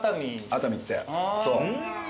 熱海ってそう。